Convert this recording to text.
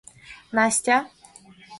Нас-тя?..